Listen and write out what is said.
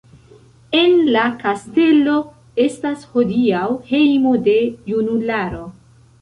En la kastelo estas hodiaŭ hejmo de junularo.